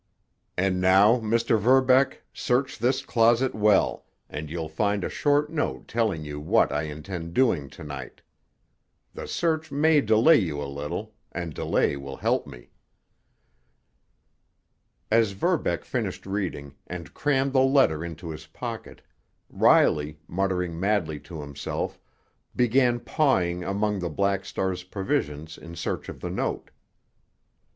"And now, Mr. Verbeck, search this closet well, and you'll find a short note telling you what I intend doing to night. The search may delay you a little, and delay will help me." As Verbeck finished reading, and crammed the letter into his pocket, Riley, muttering madly to himself, began pawing among the Black Star's provisions in search of the note.